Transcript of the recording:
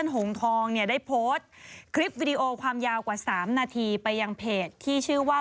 หงทองเนี่ยได้โพสต์คลิปวิดีโอความยาวกว่า๓นาทีไปยังเพจที่ชื่อว่า